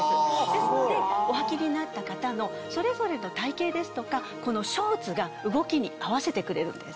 ですのでおはきになった方のそれぞれの体形ですとかこのショーツが動きに合わせてくれるんです。